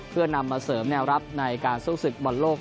เพื่อนำมาเสริมแนวรับในการสู้ศึกบอลโลก